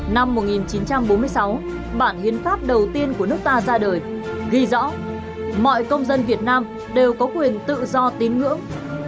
năm một nghìn chín trăm bốn mươi sáu bản hiến pháp đầu tiên của nước ta ra đời ghi rõ mọi công dân việt nam đều có quyền tự do tín ngưỡng